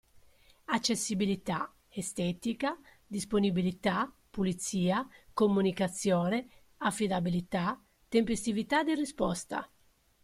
Accessibilità, estetica, disponibilità, pulizia, comunicazione, affidabilità, tempestività di risposta.